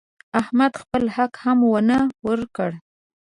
احمد خپل حق هم ونه ورکړ.